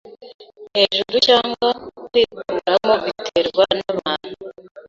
hejuru cyangwa kwikuramo biterwa nabantu